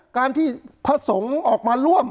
การที่พระสงฆ์ออกมาร่วม